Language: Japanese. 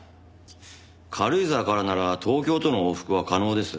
軽井沢からなら東京との往復は可能です。